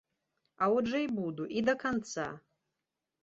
А от жа і буду, і да канца!